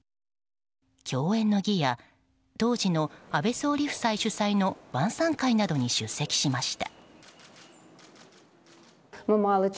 饗宴の儀や当時の安倍総理夫妻主催の晩さん会などに出席しました。